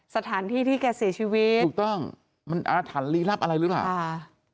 สถานที่ที่แกเสียชีวิตถูกต้องมันอาถรรพลีลับอะไรหรือเปล่าค่ะ